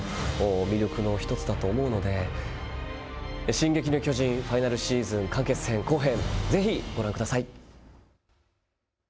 進撃の巨人ファイナルシーズン完結編後編、ぜひご覧ください。＃